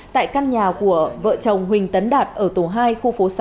tại căn nhà của vợ chồng huỳnh tấn đạt ở tổ hai khu phố sáu